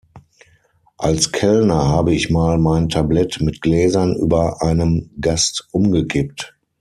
Als Kellner habe ich mal mein Tablett mit Gläsern über einem Gast umgekippt.